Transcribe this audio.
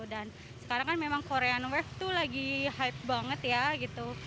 dan sekarang kan memang korean wave tuh lagi hype banget ya gitu